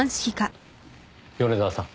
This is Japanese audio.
米沢さん。